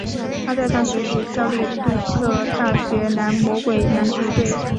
他在大学时效力杜克大学蓝魔鬼篮球队。